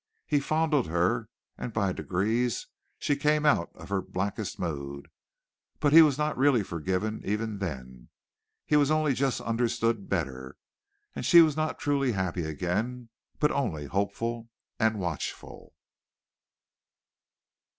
He fondled her, and by degrees she came out of her blackest mood; but he was not really forgiven even then. He was just understood better. And she was not truly happy again but only hopeful and watchful.